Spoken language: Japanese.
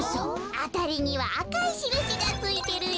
あたりにはあかいしるしがついてるよ。